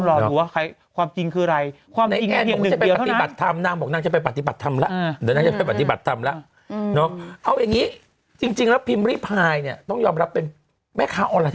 หรือว่าไงความจริงคือไรความจริงแค่เป็นนึงเดียวเท่านั้น